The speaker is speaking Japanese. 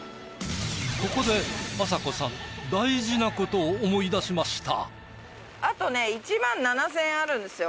ここであさこさん大事なことを思い出しました。